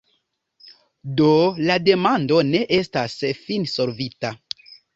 Do la demando ne estas finsolvita.